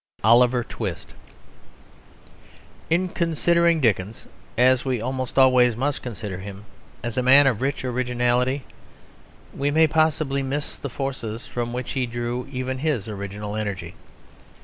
OLIVER TWIST In considering Dickens, as we almost always must consider him, as a man of rich originality, we may possibly miss the forces from which he drew even his original energy.